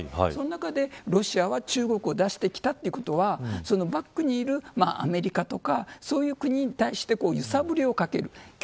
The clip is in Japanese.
その中で、ロシアは中国を出してきたということはバックにいるアメリカとかそういう国に対して揺さぶりをかける。